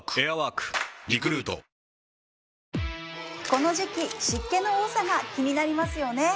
この時期湿気の多さが気になりますよね